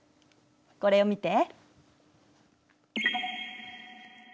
これを見て。